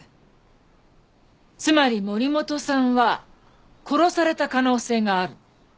つまり森本さんは殺された可能性がある。